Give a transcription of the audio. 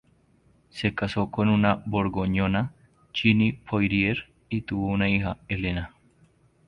Se casó con una borgoñona, Jeanne Poirier, y tuvo una hija, Elena.